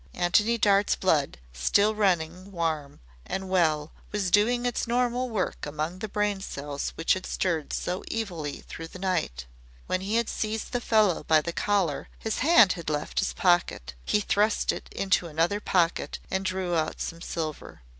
Antony Dart's blood, still running warm and well, was doing its normal work among the brain cells which had stirred so evilly through the night. When he had seized the fellow by the collar, his hand had left his pocket. He thrust it into another pocket and drew out some silver.